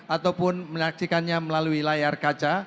ataupun menyaksikannya melalui layar kaca